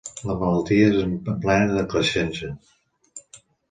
La malaltia és en plena decreixença.